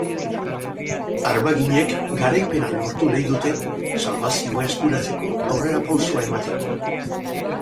Armaginek garaipena lortu nahi dute, salbazioa eskuratzeko aurrerapausoa emateko.